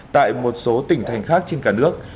tại một số tỉnh thành khác trên cả nước